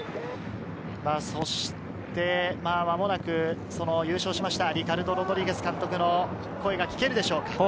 そして間もなく優勝しましたリカルド・ロドリゲス監督の声が聞けるでしょうか。